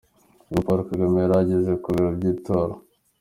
Ubwo Paul Kagame yari ageze ku biro by'itora.